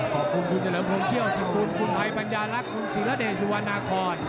ขอบคุณคุณเจริญพลงเชี่ยวสิงคุณคุณไพรปัญญาลักษณ์คุณศิรดิสุวรรณาคอน